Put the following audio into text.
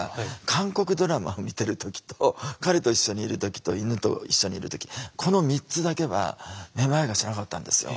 韓国ドラマを見てる時と彼と一緒にいる時と犬と一緒にいる時この３つだけはめまいがしなかったんですよ